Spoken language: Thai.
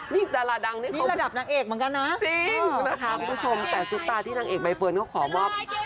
นี่ดาราดังนี้คุณผู้ชมจริงคุณค่ะแต่สุปราที่นางเอกใบเฟิร์นเขาขอมอบ